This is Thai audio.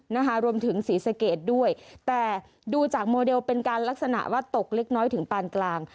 นะคะรวมถึงศรีสะเกดด้วยแต่ดูจากโมเดลเป็นการลักษณะว่าตกเล็กน้อยถึงปานกลาง